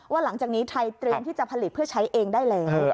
หลังจากนี้ไทยเตรียมที่จะผลิตเพื่อใช้เองได้แล้ว